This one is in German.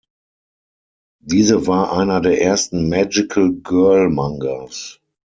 Diese war einer der ersten Magical-Girl-Mangas.